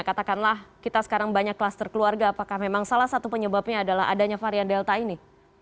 katakanlah kita sekarang banyak kluster keluarga apakah memang salah satu penyebabnya adalah adanya varian delta ini